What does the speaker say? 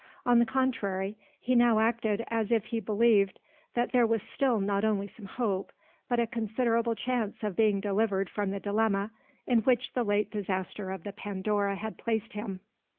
On the contrary, he now acted as if he believed that there was still not only some hope, but a considerable chance of being delivered from the dilemma in which the late disaster of the Pandora had placed him.